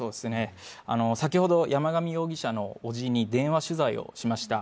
先ほど山上容疑者のおじに電話取材をしました。